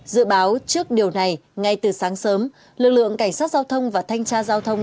dự báo trước điều này ngay từ sáng sớm lực lượng cảnh sát giao thông và thanh tra giao thông